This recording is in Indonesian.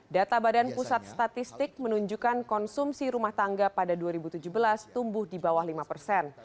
data badan pusat statistik menunjukkan konsumsi rumah tangga pada dua ribu tujuh belas tumbuh di bawah lima persen